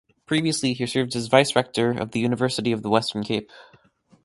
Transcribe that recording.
Previously he served as Vice-Rector of the University of the Western Cape.